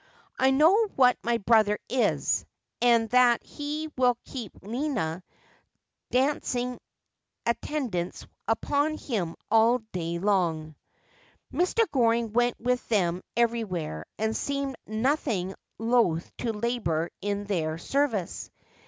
I know what my brother is, and that he will keep Lina dancing attendance upon him all day long.' Mr. Goring went with them everywhere, and seemed nothing loth to labour in their service.